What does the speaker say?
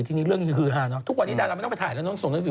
ทุกวันนี้ดาราไม่ต้องไปถ่ายต้องไปส่งหนังสือ